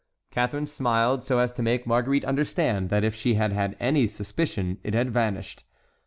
Catharine smiled so as to make Marguerite understand that if she had had any suspicion it had vanished.